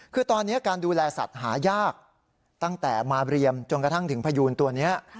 คือตอนนี้การดูแลสัตว์หายากตั้งแต่มาเรียมจนกระทั่งถึงพยูนตัวนี้